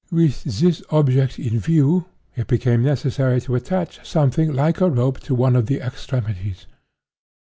With this object in view, it became necessary to attach something like a rope to one of the extremities.